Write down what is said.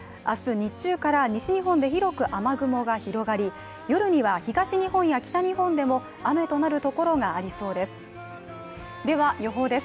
日中から西日本で広く雨雲が広がり夜には東日本や北日本でも雨となる所がありそうです。